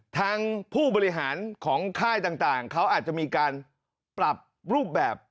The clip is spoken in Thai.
ทางผู้บริหารของค่ายต่างเขาอาจจะมีการปรับรูปแบบ